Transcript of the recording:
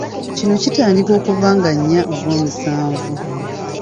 Kino kitandika okuva nga nnya Ogwomusanvu.